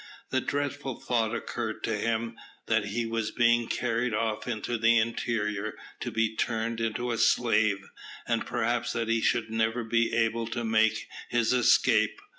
The dreadful thought occurred to him, that he was being carried off into the interior to be turned into a slave, and perhaps that he should never be able to make his escape.